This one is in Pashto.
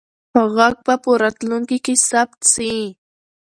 غږ به په راتلونکي کې ثبت سي.